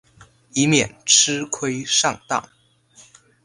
以免吃亏上当